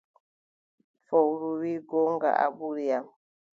Fowru wii, goongo, a ɓuri am.